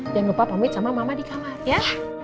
jangan lupa pamit sama mama di kamar ya